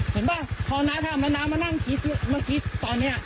เห็นป่ะพอน้าทำแล้วน้ามานั่งคิดมาคิดตอนเนี่ย